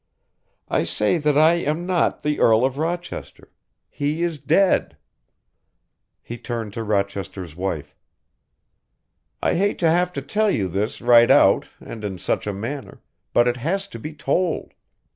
I say that I am not the Earl of Rochester, he is dead " He turned to Rochester's wife. "I hate to have to tell you this right out and in such a manner, but it has to be told.